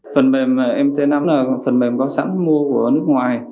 phần mềm mt năm là phần mềm có sẵn mua của nước ngoài